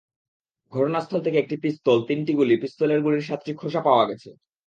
ঘটনাস্থল থেকে একটি পিস্তল, তিনটি গুলি, পিস্তলের গুলির সাতটি খোসা পাওয়া গেছে।